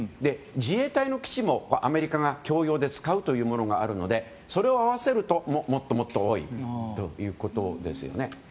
自衛隊の基地もアメリカが共用で使うというものがあるのでそれを合わせると、もっともっと多いということです。